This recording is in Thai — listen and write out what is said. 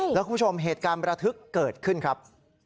แล้วคุณผู้ชมเหตุการณ์ประทึกเกิดขึ้นครับ